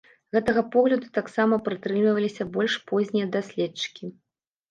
Гэтага погляду таксама прытрымліваліся больш познія даследчыкі.